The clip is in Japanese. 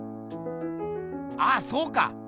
ああそうか！